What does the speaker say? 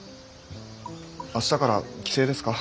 明日から帰省ですか？